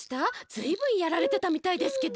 ずいぶんやられてたみたいですけど。